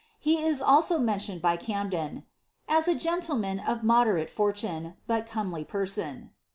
He if also mentioned by Camden ^^as a gentleman ofmoiierate fortune, but fomely person."